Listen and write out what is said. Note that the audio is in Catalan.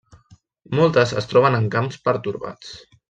Moltes es troben en camps pertorbats.